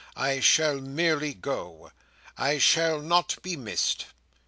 I shall merely go. I shall not be missed!"